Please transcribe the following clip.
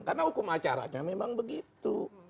karena hukum acaranya memang begitu